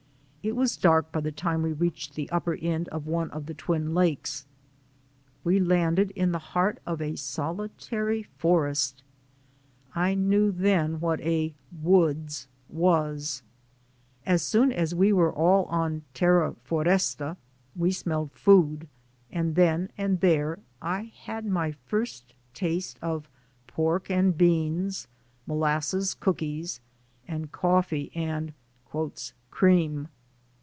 It was dark by the time we reached the upper end of one of the Twin Lakes. We landed in the heart of a solitary forest. I knew then what a "woods" was. As soon as we were all on "terra foresta" we smelled food, and then and there I had my first taste of pork and beans, molasses cookies and coffee and "cream."